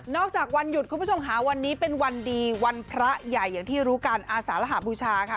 จากวันหยุดคุณผู้ชมค่ะวันนี้เป็นวันดีวันพระใหญ่อย่างที่รู้กันอาสารหบูชาค่ะ